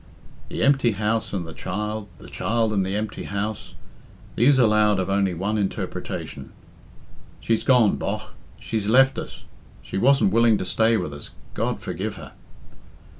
The empty house and the child, the child and the empty house; these allowed of only one interpretation. "She's gone, bogh, she's left us; she wasn't willing to stay with us, God forgive her!"